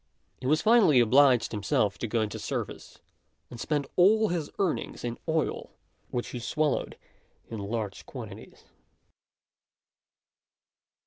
He was finally obliged himself to go into service; and spent all his earnings in oil, which he swallowed in large quantities.